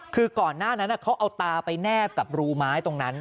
คือก่อนหน้านั้นเขาเอาตาไปแนบกับรูไม้ตรงนั้น